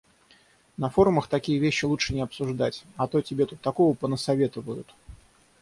На форумах такие вещи лучше не обсуждать, а то тебе тут такого понасоветовают.